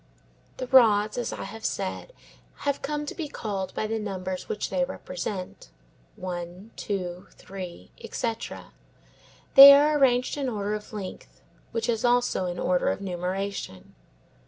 The rods, as I have said, have come to be called by the numbers which they represent; one, two, three, etc. They are arranged in order of length, which is also in order of numeration.